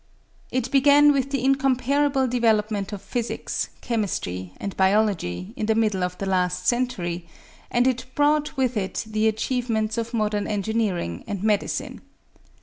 It began with the incomparable development of physics, chemistry, and biology, in the middle of the last century, and it brought with it the achievements of modern engineering and medicine.